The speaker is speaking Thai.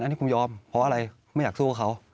อันนี้กูยอมเพราะอะไรไม่อยากสู้กับเขา